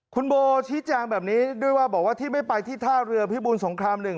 คุณโบชี้แจงแบบนี้ด้วยว่าบอกว่าที่ไม่ไปที่ท่าเรือพิบูรสงครามหนึ่ง